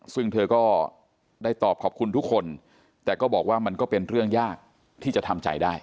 ซึ่งเธอก็ได้ตอบขอบคุณทุกคนแต่ก็บอกว่ามันก็เป็นเรื่องยากที่จะทำใจได้